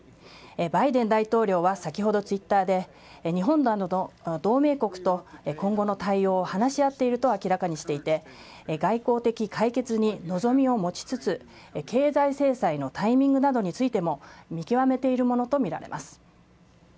バイデン大統領は先ほど、ツイッターで、日本などの同盟国と今後の対応を話し合っていると明らかにしていて、外交的解決に望みを持ちつつ、経済制裁のタイミングなどについても、見極めているものと見られます。